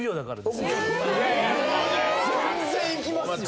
全然いきますよ！